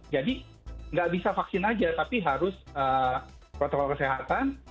jadi nggak bisa vaksin aja tapi harus protokol kesehatan